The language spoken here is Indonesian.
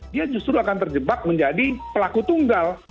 dia justru akan terjebak menjadi pelaku tunggal